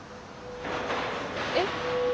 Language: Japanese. えっ。